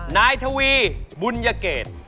นายทวีบุญยเกต